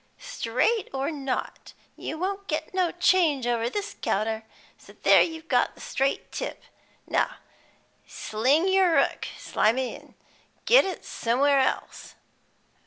"Straight or not, you won't get no change over this counter, so there you've the straight tip. Now sling yer 'ook, Slimy, an' get it somewhere else."